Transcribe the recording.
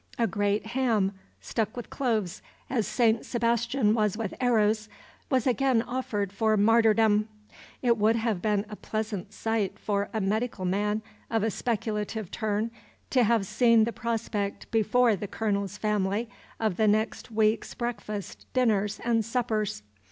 A great ham stuck with cloves, as Saint Sebastian was with arrows, was again offered for martyrdom. It would have been a pleasant sight for a medical man of a speculative turn to have seen the prospect before the Colonel's family of the next week's breakfasts, dinners, and suppers.